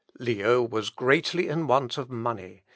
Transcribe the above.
Leo was greatly in want of money.